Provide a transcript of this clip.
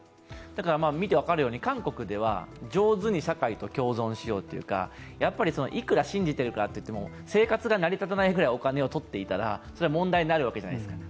見て分かるように韓国では上手に社会を共存しようというかいくら信じているからといっても生活が成り立たないぐらいお金を取っていたらそれは問題になるわけじゃないですか。